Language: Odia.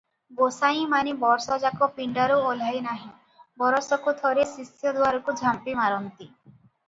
ଗୋସାଇଁ ମାନେ ବର୍ଷ ଯାକ ପିଣ୍ତାରୁ ଓହ୍ଲାଇ ନାହିଁ, ବରଷକୁ ଥରେ ଶିଷ୍ୟ ଦୁଆରକୁ ଝାମ୍ପିମାରନ୍ତି ।